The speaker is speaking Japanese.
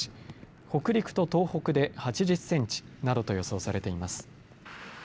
北陸と東北で８０センチなどと予想されています。